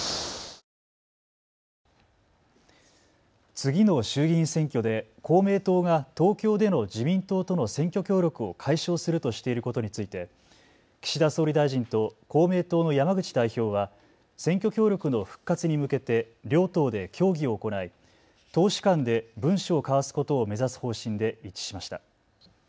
次の衆議院選挙で公明党が東京での自民党との選挙協力を解消するとしていることについて、岸田総理大臣と公明党の山口代表は選挙協力の復活に向けて両党で協議を行い党首間で文書を交わすことを目指す方針で一致しました。